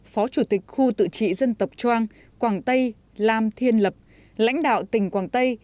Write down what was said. phó chủ tịch khu tự trị dân tập choang quảng tây lam thiên lập lãnh đạo tỉnh quảng tây